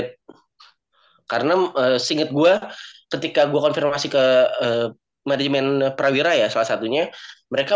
pada update karena singgit gue ketika gua konfirmasi ke manajemen perawiran salah satunya mereka